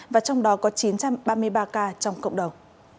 và trong đó có chín trăm ba mươi ba ca trong cộng đồng